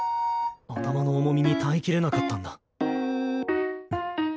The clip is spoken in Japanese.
頭の重みに耐えきれなかったんだ。